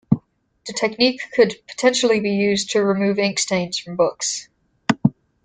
The technique could potentially be used to remove ink stains from books.